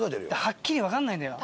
はっきりわかんないんだよ